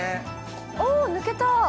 お抜けた！